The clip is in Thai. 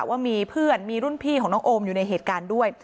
ว่ามีเพื่อนมีรุ่นพี่ของน้องโอมอยู่ในเหตุการณ์ด้วย